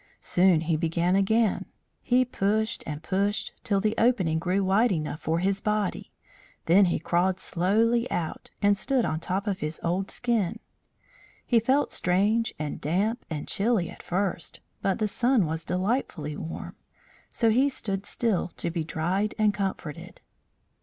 Soon he began again. He pushed and pushed till the opening grew wide enough for his body; then he crawled slowly out and stood on top of his old skin. He felt strange and damp and chilly at first, but the sun was delightfully warm, so he stood still, to be dried and comforted.